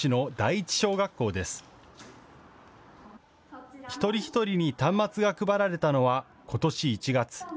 一人一人に端末が配られたのはことし１月。